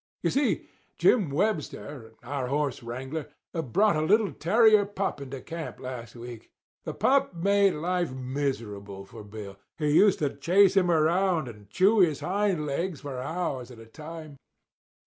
You see, Jim Webster, our horse wrangler, brought a little terrier pup into camp last week. The pup made life miserable for Bill—he used to chase him around and chew his hind legs for hours at a time.